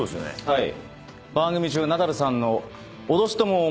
はい。